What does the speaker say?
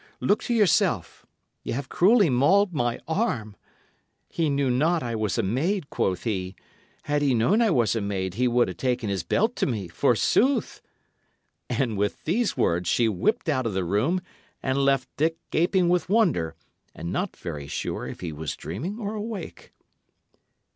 Look to yourself; y' 'ave cruelly mauled my arm. He knew not I was a maid, quoth he! Had he known I was a maid, he had ta'en his belt to me, forsooth!" And with these words, she whipped out of the room and left Dick gaping with wonder, and not very sure if he were dreaming or awake.